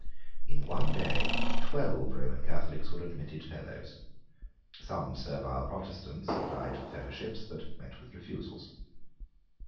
In one day twelve Roman Catholics were admitted Fellows. Some servile Protestants applied for fellowships, but met with refusals.